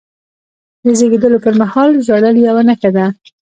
د زیږېدلو پرمهال ژړل یوه نښه ده.